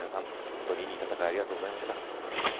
本当にいい戦いありがとうございました。